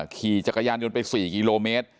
ขี่จักรยานยนต์ไป๔กิโลเมตร